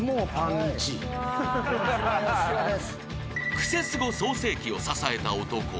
［『クセスゴ』創成期を支えた男］